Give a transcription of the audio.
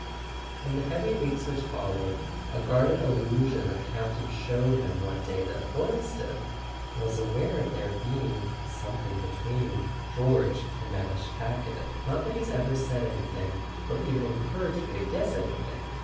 .. In the heavy weeks which followed, a guarded allusion of Campton's showed him one day that Boylston was aware of there being "something between" George and Madge Talkett. "Not that he's ever said anything—or even encour¬ aged me to guess anything.